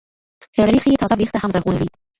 څېړنې ښيي تازه وېښته هم زرغونوي.